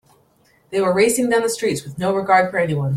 They were racing down the streets with no regard for anyone.